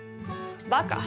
バカ。